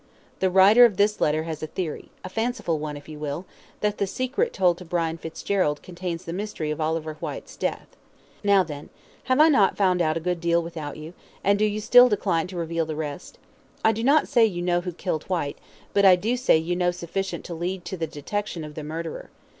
The writer of this letter has a theory a fanciful one, if you will that the secret told to Brian Fitzgerald contains the mystery of Oliver Whyte's death. Now then, have I not found out a good deal without you, and do you still decline to reveal the rest? I do not say you know who killed Whyte, but I do say you know sufficient to lead to the detection of the murderer.